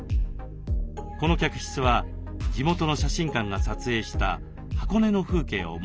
この客室は地元の写真館が撮影した箱根の風景をモチーフにした内装。